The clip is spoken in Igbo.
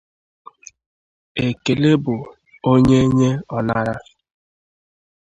Ekele bụ onye nye ọ nara